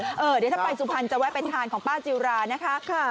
เดี๋ยวถ้าไปสุพรรณจะแวะไปทานของป้าจิรานะคะ